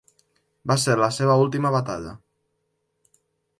Va ser la seva última batalla.